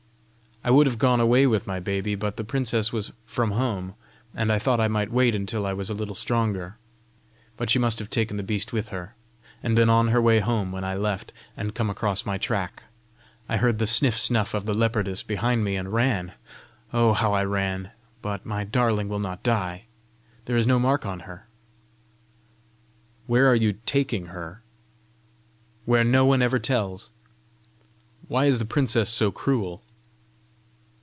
I would have gone away with my baby, but the princess was from home, and I thought I might wait until I was a little stronger. But she must have taken the beast with her, and been on her way home when I left, and come across my track. I heard the SNIFF SNUFF of the leopardess behind me, and ran; oh, how I ran! But my darling will not die! There is no mark on her!" "Where are you taking her?" "Where no one ever tells!" "Why is the princess so cruel?"